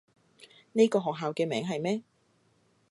呢個學校嘅名係咩？